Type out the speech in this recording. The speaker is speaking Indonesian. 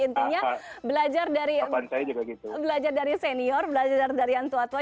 intinya belajar dari senior belajar dari yang tua tua